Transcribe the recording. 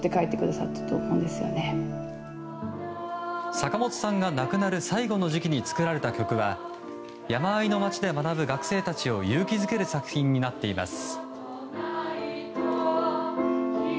坂本さんが亡くなる最期の時期に作られた曲は山あいの町で学ぶ学生たちを勇気づける作品になっています。